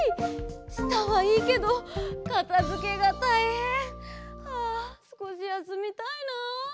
したはいいけどかたづけがたいへん。はあすこしやすみたいな。